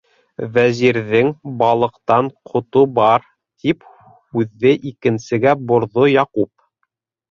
- Вәзирҙең балыҡтан ҡото бар, - тип һүҙҙе икенсегә борҙо Яҡуп.